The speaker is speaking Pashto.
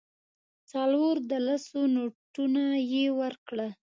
څلور د لسو نوټونه یې ورکړل.